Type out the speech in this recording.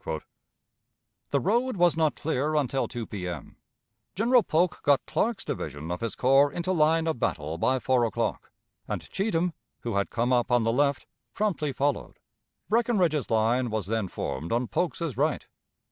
The road was not clear until 2 P.M. General Polk got Clark's division of his corps into line of battle by four o'clock; and Cheatham, who had come up on the left, promptly followed. Breckinridge's line was then formed on Polk's right.